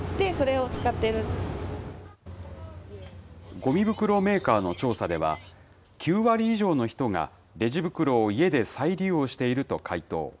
ごみ袋メーカーの調査では、９割以上の人がレジ袋を家で再利用していると回答。